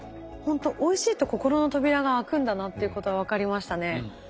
ほんとおいしいと心の扉が開くんだなっていうことが分かりましたね。